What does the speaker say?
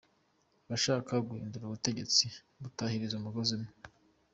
- abashaka guhindura ubutegetsi batahiriza umugozi umwe;